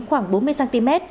khoảng bốn mươi cm